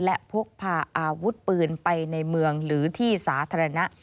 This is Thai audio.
และพกพาอาวุธปืนไปในเมืองหรือที่สาธารณะ